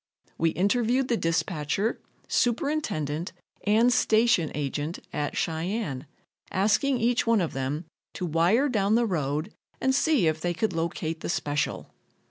We interviewed the dispatcher, superintendent and station agent at Cheyenne, asking each one of them to wire down the road and see if they could locate the special.